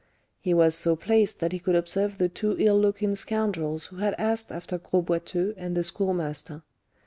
He was so placed that he could observe the two ill looking scoundrels who had asked after Gros Boiteux and the Schoolmaster.